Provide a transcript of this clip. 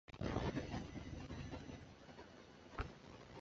绒额䴓为䴓科䴓属的鸟类。